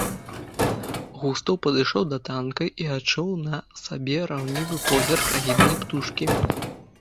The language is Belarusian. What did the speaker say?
Густаў падышоў да танка і адчуў на сабе раўнівы позірк агіднай птушкі.